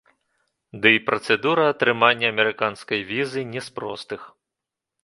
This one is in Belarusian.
Ды і працэдура атрымання амерыканскай візы не з простых.